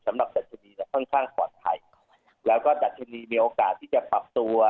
สำหรับจัดทีนี้จะค่อนข้างปลอดภัยแล้วก็จัดทีนี้มีโอกาสที่จะปรับตัว